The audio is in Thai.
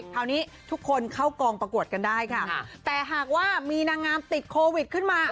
คราวนี้ทุกคนเข้ากองประกวดกันได้ค่ะแต่หากว่ามีนางงามติดโควิดขึ้นมา